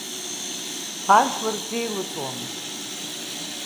Ажәлар зеилыҵуамызт.